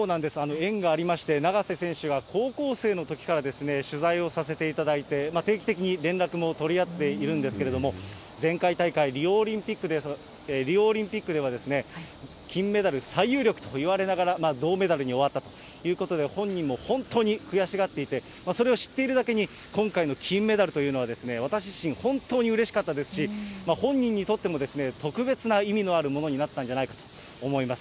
縁がありまして、永瀬選手が高校生のときから取材をさせていただいて、定期的に連絡も取り合っているんですけれども、前回大会、リオオリンピックでは、金メダル最有力といわれながら、銅メダルに終わったということで、本人も本当に悔しがっていて、それを知っているだけに、今回の金メダルというのは、私自身、本当にうれしかったですし、本人にとっても特別な意味のあるものになったんじゃないかと思います。